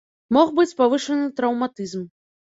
Мог быць павышаны траўматызм.